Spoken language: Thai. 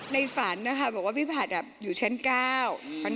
ในฝันนะคะบอกว่าพี่ผลัดอยู่ชั้น๙